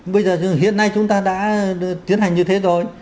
bây giờ hiện nay chúng ta đã tiến hành như thế rồi